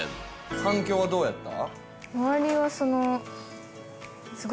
反響はどうやった？